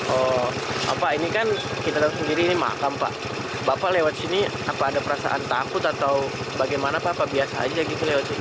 oh apa ini kan kita lihat sendiri ini makam pak bapak lewat sini apa ada perasaan takut atau bagaimana pak biasa aja gitu lewat sini